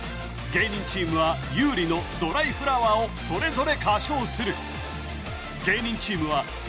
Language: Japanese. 芸人チームは優里の「ドライフラワー」をそれぞれ歌唱する芸人チームはＵＴＡＧＥ！